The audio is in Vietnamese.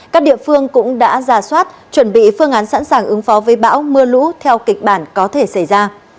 các địa phương cũng đã ra soát chuẩn bị phương án sẵn sàng ứng phó với bão mưa lũ theo kịch bản có thể xảy ra